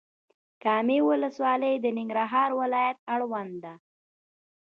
کامې ولسوالۍ د ننګرهار ولايت اړوند ده.